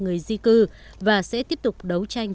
người di cư và sẽ tiếp tục đấu tranh